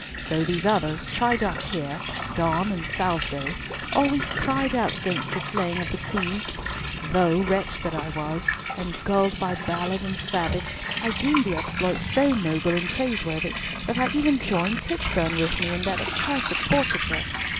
So these others, Chidiock here, Donne and Salisbury, always cried out against the slaying of the Queen, though—wretch that I was—and gulled by Ballard and Savage, I deemed the exploit so noble and praiseworthy that I even joined Tichborne with me in that accursed portraiture!